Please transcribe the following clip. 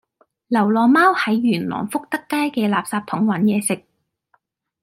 流浪貓喺元朗福德街嘅垃圾桶搵野食